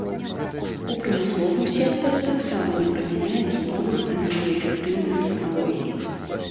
У прамысловым сектары таксама не прымяняецца новых энергаэфектыўных тэхналогій.